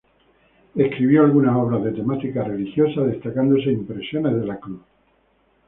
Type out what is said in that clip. Escribió algunas obras de temática religiosa, destacándose "Impresiones de la cruz".